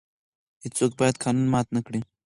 هیڅوک باید قانون مات نه کړي.